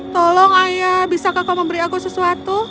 tolong ayah bisakah kau memberi aku sesuatu